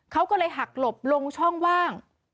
เขาก็เลยหักหลบลงช่องว่าง